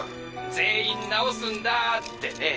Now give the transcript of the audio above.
全員直すんだってね。